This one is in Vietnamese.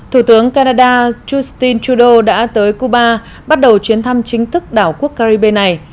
thủ tướng canada justin trudeau đã tới cuba bắt đầu chuyến thăm chính thức đảo quốc caribe này